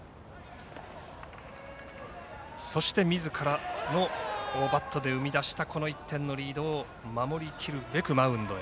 そして、みずからのバットで生み出したこの１点のリードを守りきるべくマウンドへ。